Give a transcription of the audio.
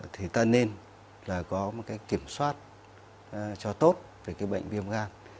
thì ta nên có một kiểm soát cho tốt về bệnh viêm gan